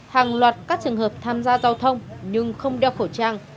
hàng loạt các trường hợp tham gia giao thông nhưng không đeo khẩu trang